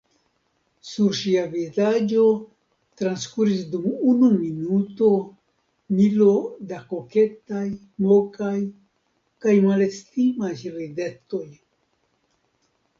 Sur ŝia vizaĝo transkuris dum unu minuto milo da koketaj, mokaj kaj malestimaj ridetoj.